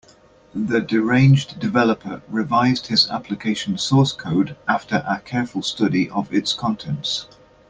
The deranged developer revised his application source code after a careful study of its contents.